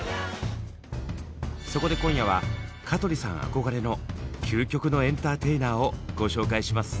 そこで今夜は香取さん憧れの究極のエンターテイナーをご紹介します。